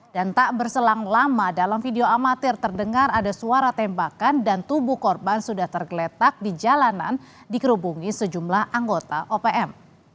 dan tak berselang lama dalam video amatir terdengar ada suara tembakan dan tubuh korban sudah tergeletak di jalanan dikerubungi sejumlah anggota opm